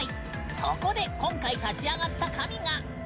そこで今回、立ち上がった神が。